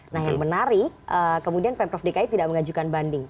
nah yang menarik kemudian pemprov dki tidak mengajukan banding